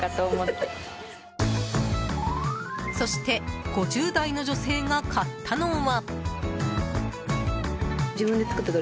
そして５０代の女性が買ったのは。